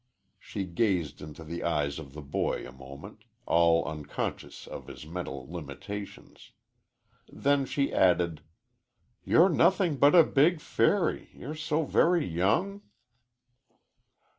She gazed into the eyes of the boy a moment, all unconscious of his mental limitations. Then she added, "You're nothing but a big fairy you're so very young."